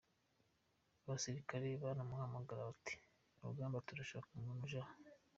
Abasirikare baramuhamagara bati :« Rugamba turashaka umuntu uje aha.